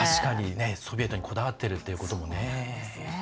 ソビエトにこだわっているということもね。